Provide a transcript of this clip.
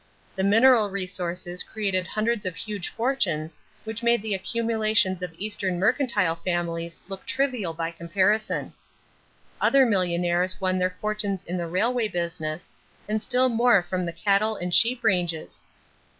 The mineral resources created hundreds of huge fortunes which made the accumulations of eastern mercantile families look trivial by comparison. Other millionaires won their fortunes in the railway business and still more from the cattle and sheep ranges.